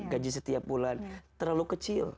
gaji setiap bulan terlalu kecil